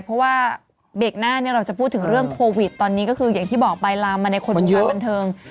เพราะว่าเบรกหน้าเนี่ยเราจะพูดถึงเรื่องโควิดตอนนี้ก็คืออย่างที่บอกไปลามมาในคนวงการบันเทิง